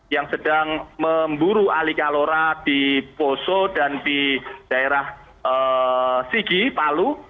yang sedang memburu ali kalora di poso dan di daerah sigi palu